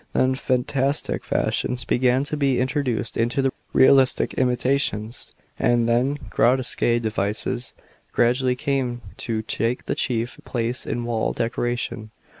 Then fantastic fashions began to be introduced into the realistic imitations, and then grotesque devices gradually came to take the chief place in wall decoration.